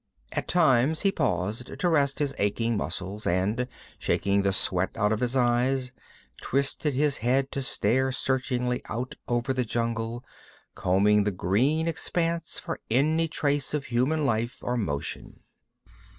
At times he paused to rest his aching muscles, and, shaking the sweat out of his eyes, twisted his head to stare searchingly out over the jungle, combing the green expanse for any trace of human life or motion.